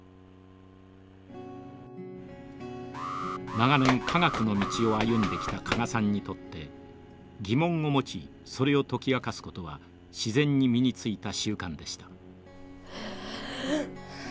長年科学の道を歩んできた加賀さんにとって疑問を持ちそれを解き明かすことは自然に身に付いた習慣でした。